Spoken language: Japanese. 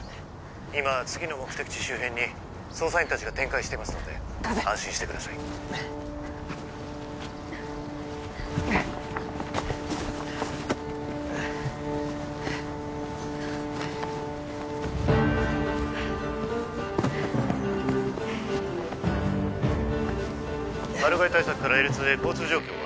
今次の目的地周辺に捜査員達が展開していますので貸せ安心してくださいマル害対策からＬ２へ交通状況は？